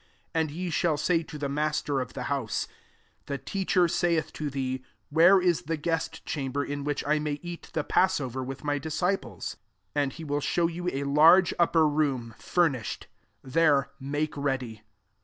11 And ye shall say to the master of the house, * The Teacher saith to thee, Where is the guest chamber, in which I may eat the passover with my dis ciples?' 12 And he will show you a large upper room, fur nished : there make ready."